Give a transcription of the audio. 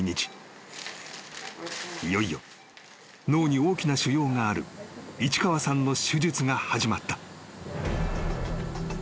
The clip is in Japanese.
［いよいよ脳に大きな腫瘍がある市川さんの手術が始まった］